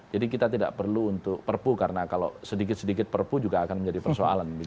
jadi kita tidak perlu untuk perpu karena kalau sedikit sedikit perpu juga akan menjadi persoalan